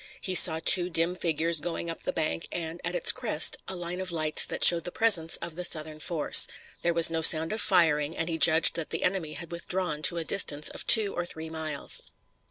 He saw two dim figures going up the bank, and, at its crest, a line of lights that showed the presence of the Southern force. There was no sound of firing, and he judged that the enemy had withdrawn to a distance of two or three miles.